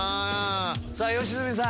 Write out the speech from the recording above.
さぁ良純さん。